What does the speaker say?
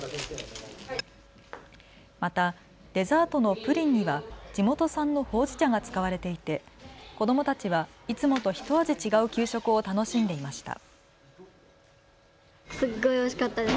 またデザートのプリンには地元産のほうじ茶が使われていて子どもたちはいつもとひと味違う給食を楽しんでいました。